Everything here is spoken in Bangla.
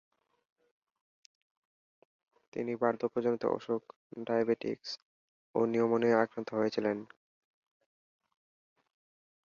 তিনি বার্ধক্যজনিত অসুখ, ডায়াবেটিস ও নিউমোনিয়ায় আক্রান্ত হয়েছিলেন।